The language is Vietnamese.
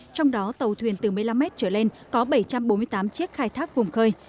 trong đó tàu thuyền từ một mươi năm mét trở lên có bảy trăm bốn mươi tám chiếc khai thác vùng khơi